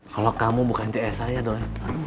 kalau kamu bukan cs saya doi